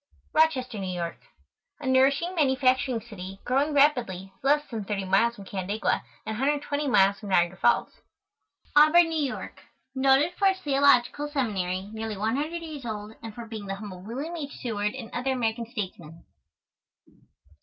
ROCHESTER, NEW YORK. A nourishing manufacturing city, growing rapidly, less than 30 miles from Canandaigua, and 120 miles from Niagara Falls. AUBURN, NEW YORK. Noted for its Theological Seminary, nearly one hundred years old, and for being the home of William H. Seward and other American Statesmen.